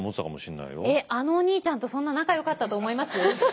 えっあのお兄ちゃんとそんな仲よかったと思います？